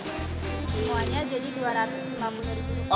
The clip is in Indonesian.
semuanya jadi rp dua ratus lima puluh